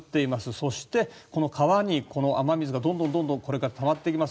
そして、この川に雨水がどんどんこれからたまっていきます。